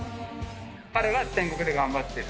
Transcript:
彼は天国で頑張ってる。